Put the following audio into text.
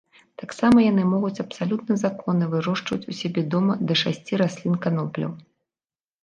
Таксама яны могуць абсалютна законна вырошчваць у сябе дома да шасці раслін канопляў.